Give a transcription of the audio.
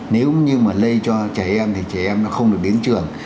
nếu như mà lây cho trẻ em thì trẻ em nó không được đến trường